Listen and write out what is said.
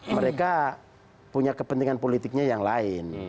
mereka punya kepentingan politiknya yang lain